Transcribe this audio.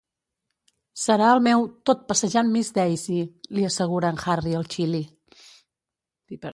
"Serà el meu 'Tot passejant Miss Daisy'," li assegura en Harry al Chili.